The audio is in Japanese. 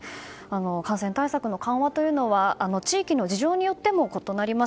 感染対策の緩和というのは地域の事情によっても異なります。